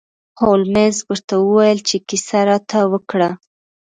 هولمز ورته وویل چې کیسه راته وکړه.